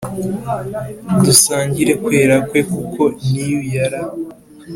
dusangire kwera kwe kuko new yara.